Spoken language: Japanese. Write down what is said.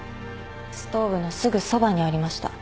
ストーブのすぐそばにありました。